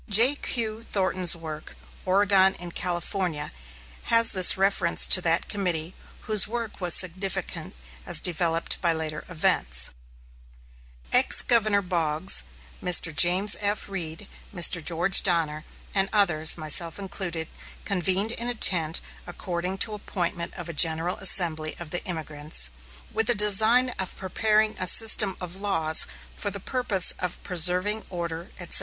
J.Q. Thornton's work, "Oregon and California," has this reference to that committee, whose work was significant as developed by later events: Ex Governor Boggs, Mr. James F. Reed, Mr. George Donner, and others, myself included, convened in a tent according to appointment of a general assembly of the emigrants, with the design of preparing a system of laws for the purpose of preserving order, etc.